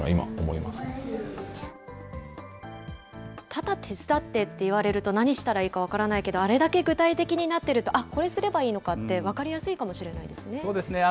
ただ手伝って言われると何したらいいか分からないけど、あれだけ具体的になってると、あっ、これすればいいのかって、そうですね。